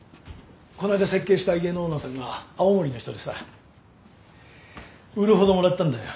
この間設計した家のオーナーさんが青森の人でさ売るほどもらったんだよ。